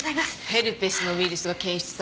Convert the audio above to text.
ヘルペスのウイルスが検出された。